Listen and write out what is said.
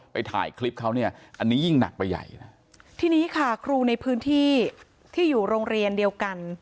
ไปถ่ายคลิปเขาเนี่ยอันนี้ยิ่งหนักไปใหญ่นะทีนี้ค่ะครูในพื้นที่ที่อยู่โรงเรียนเดียวกัน